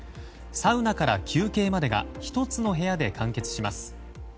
サウナから休憩までが１つの部屋で完結します。